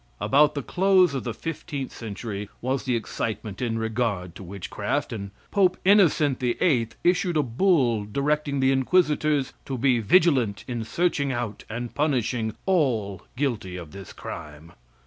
About the close of the fifteenth century was the excitement in regard to witchcraft, and Pope Innocent the Eighth issued a bull directing the inquisitors to be vigilant in searching out and punishing all guilty of this crime.